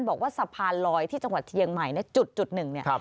บอกว่าสะพานลอยที่จังหวัดเชียงใหม่นะจุดหนึ่งเนี่ย